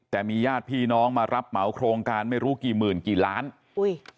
แต่มีญาติพี่น้องมารับเหมาโครงการไม่รู้กี่หมื่นกี่ล้านอุ้ย